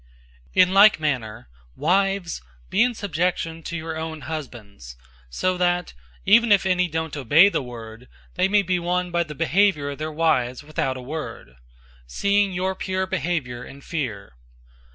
003:001 In like manner, wives, be in subjection to your own husbands; so that, even if any don't obey the Word, they may be won by the behavior of their wives without a word; 003:002 seeing your pure behavior in fear.